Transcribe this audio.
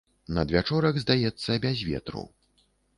Надвячорак, здаецца, без ветру.